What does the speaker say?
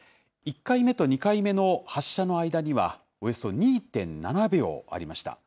１回目と２回目の発射の間には、およそ２．７秒ありました。